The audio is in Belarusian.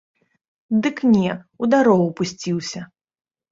Дык не, у дарогу пусціўся.